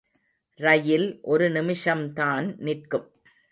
ரயில் ஒரு நிமிஷம்தான் நிற்கும்.